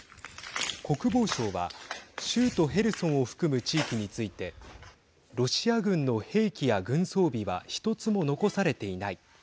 国防省は州都ヘルソンを含む地域についてロシア軍の兵器や軍装備は１つも残されていない。